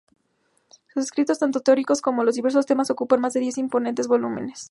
Sus escritos, tanto teóricos como de diversos temas, ocupan más de diez imponentes volúmenes.